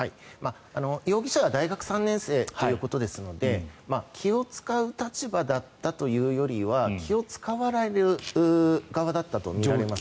容疑者は大学３年生ということですので気を使う立場だったというよりは気を使われる側だったと思われます。